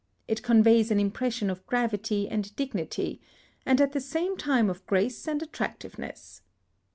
It conveys an impression of gravity and dignity, and at the same time of grace and attractiveness.